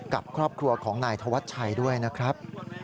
กับครอบครัวของนายธวัชชัยด้วยนะครับ